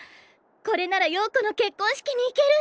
これなら陽子の結婚式に行ける！